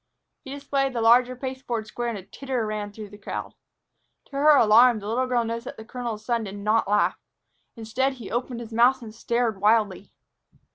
He displayed the larger pasteboard square and a titter ran through the crowd. To her alarm, the little girl noticed that the colonel's son did not laugh. Instead, he opened his mouth and stared wildly.